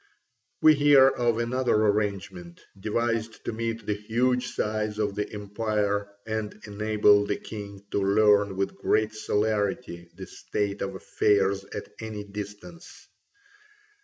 We hear of another arrangement, devised to meet the huge size of the empire and enable the king to learn with great celerity the state of affairs at any distance.